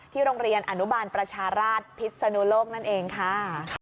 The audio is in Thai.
โรงเรียนอนุบาลประชาราชพิษนุโลกนั่นเองค่ะ